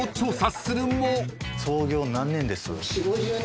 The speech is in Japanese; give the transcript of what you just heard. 創業何年です？